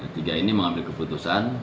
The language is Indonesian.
tiga ini mengambil keputusan